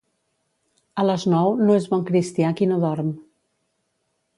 A les nou, no és bon cristià qui no dorm.